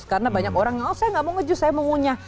karena banyak orang oh saya nggak mau ngejuice saya mau ngunyah